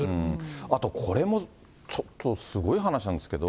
あと、これもちょっとすごい話なんですけど。